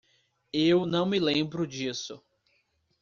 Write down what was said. Eu não me lembro disso.